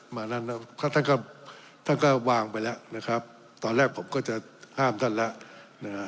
มาแล้วท่านก็ท่านก็วางไปแล้วนะครับตอนแรกผมก็จะห้ามท่านแล้วนะฮะ